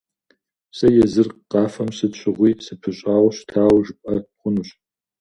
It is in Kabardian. Сэ езыр къафэм сыт щыгъуи сыпыщӀауэ щытауэ жыпӀэ хъунущ.